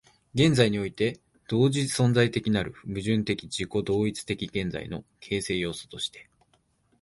現在において同時存在的なる矛盾的自己同一的現在の形成要素として、